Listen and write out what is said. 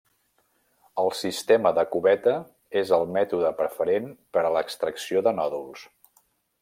El sistema de cubeta és el mètode preferent per a l'extracció de nòduls.